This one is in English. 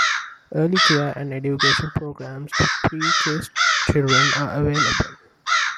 Early care and education programs for pre-k children are available.